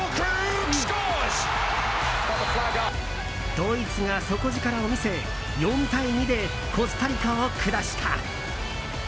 ドイツが底力を見せ４対２でコスタリカを下した。